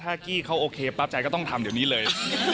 ถ้ากี้เขาโอเคปั๊บใจก็ต้องทำเดี๋ยวนี้เลย